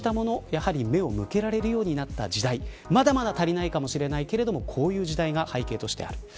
やはり目を向けられるようになった時代まだまだ足りないかもしれないけどもこういう時代が背景としてある。